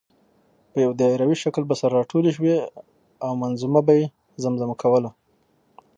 په یو دایروي شکل به سره راټولې شوې او منظومه به یې زمزمه کوله.